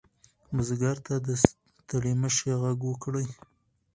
بزګر ته د ستړي مشي غږ وکړئ.